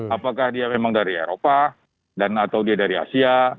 apakah dia memang dari eropa dan atau dia dari asia